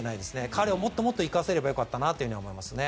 彼をもっともっと生かせればよかったなと思いますね。